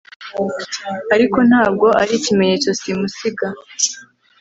ariko ntabwo ari ikimenyetso simusiga